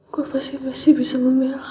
gue pasti pasti bisa membelah